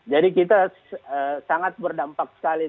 jadi kita sangat berdampak sekali